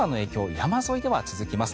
山沿いでは続きます。